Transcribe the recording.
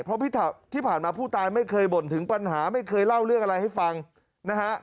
เพราะที่ผ่านมาผู้ตายไม่เคยบ่นถึงปัญหาไม่เคยเล่าเรื่องอะไรให้ฟังนะฮะ